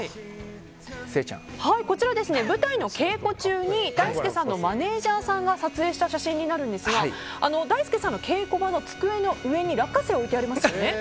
こちら、舞台の稽古中にだいすけさんのマネジャーさんが撮影した写真なんですがだいすけさんの稽古場の机の上にラッカセイが置いてありますね。